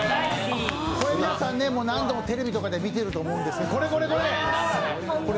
これ皆さん、何度もテレビとかで見てると思いますけどこれこれこれ！